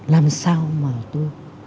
làm sao mà tôi